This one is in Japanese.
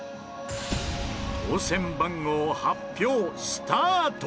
当せん番号発表スタート！